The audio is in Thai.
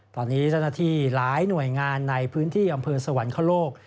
ตอนนี้เจ้าหน้าที่หลายหน่วยงานในพื้นที่อำเภอสวรรคโลก